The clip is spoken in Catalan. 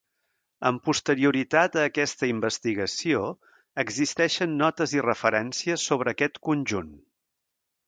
Amb posterioritat a aquesta investigació, existeixen notes i referències sobre aquest conjunt.